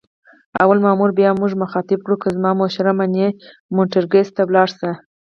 لومړي مامور بیا موږ مخاطب کړو: که زما مشوره منې مونټریکس ته ولاړ شه.